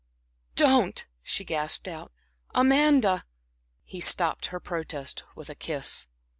"Don't," she gasped out, "Amanda" He stopped her protest with a kiss.